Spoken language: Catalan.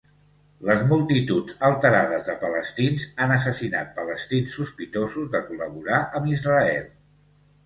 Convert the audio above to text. Les multituds alterades de palestins han assassinat palestins sospitosos de col·laborar amb Israel.